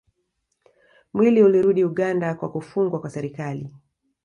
Mwili ulirudi Uganda kwa kufungwa kwa serikali